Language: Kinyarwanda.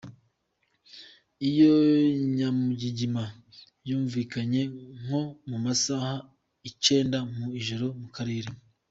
Iyo nyamugigima yumvikanye nko mu masaha icenda mu z'ijoro mu karere.